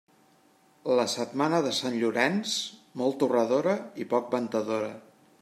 La setmana de Sant Llorenç, molt torradora i poc ventadora.